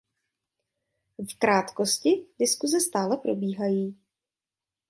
V krátkosti, diskuse stále probíhají.